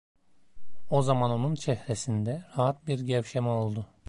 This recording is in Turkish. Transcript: O zaman onun çehresinde rahat bir gevşeme oldu.